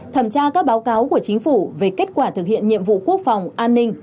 thẩm tra các báo cáo của chính phủ về kết quả thực hiện nhiệm vụ quốc phòng an ninh